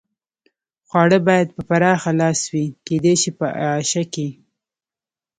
خواړه باید په پراخه لاس وي، کېدای شي په اعاشه کې.